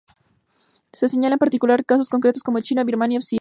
Se señala, en particular, casos concretos como China, Birmania o Siria.